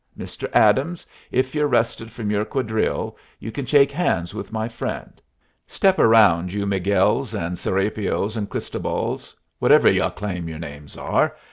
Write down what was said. Mr. Adams, if you're rested from your quadrille, you can shake hands with my friend. Step around, you Miguels and Serapios and Cristobals, whatever y'u claim your names are.